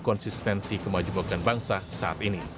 konsistensi kemajuan bangsa saat ini